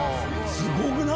すごくない？